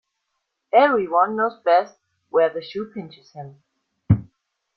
Every one knows best where the shoe pinches him.